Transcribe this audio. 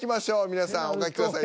皆さんお書きください。